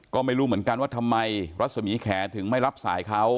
ก็ไม่รู้เหมือนกันว่าทำไมรัศมีแขถึงไม่รับสายเขา